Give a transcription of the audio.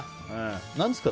何ですか？